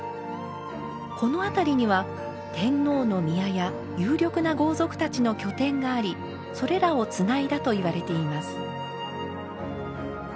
この辺りには天皇の宮や有力な豪族たちの拠点がありそれらをつないだといわれています。